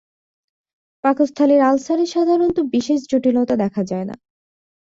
পাকস্থলীর আলসারে সাধারণত বিশেষ জটিলতা দেখা যায় না।